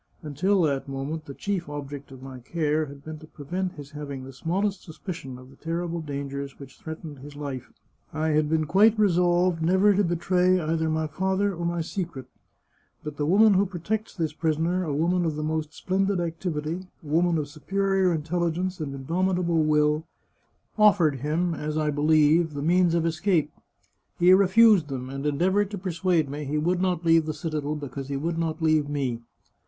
Until that moment, the chief object of my care had been to prevent his having the smallest sus picion of the terrible dangers which threatened his life. " I had been quite resolved never to betray either my father or my secret, but the woman who protects this pris oner, a woman of the most splendid activity, a woman of superior intelligence and indomitable will, offered him, as I believe, the means of escape. He refused them, and en deavoured to persuade me he would not leave the citadel because he would not leave me.